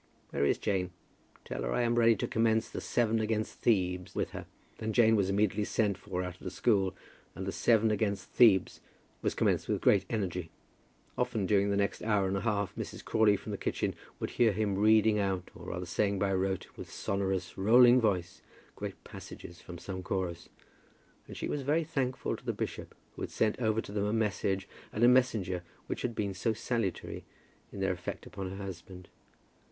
Where is Jane? Tell her that I am ready to commence the Seven against Thebes with her." Then Jane was immediately sent for out of the school, and the Seven against Thebes was commenced with great energy. Often during the next hour and a half Mrs. Crawley from the kitchen would hear him reading out, or rather saying by rote, with sonorous, rolling voice, great passages from some chorus, and she was very thankful to the bishop who had sent over to them a message and a messenger which had been so salutary in their effect upon her husband.